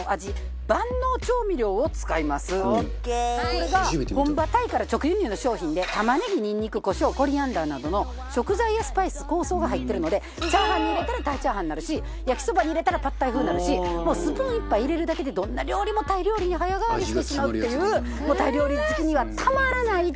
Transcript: これが本場タイから直輸入の商品で玉ねぎニンニクコショウコリアンダーなどの食材やスパイス香草が入ってるのでチャーハンに入れたらタイチャーハンになるし焼きそばに入れたらパッタイ風になるしもうスプーン１杯入れるだけでどんな料理もタイ料理に早変わりしてしまうっていうもうタイ料理好きにはたまらない一品。